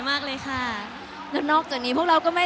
วันอารุณมาพักแก้ว